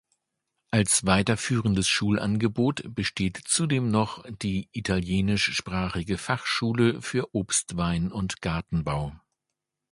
Als weiterführendes Schulangebot besteht zudem noch die italienischsprachige Fachschule für Obst-, Wein- und Gartenbau.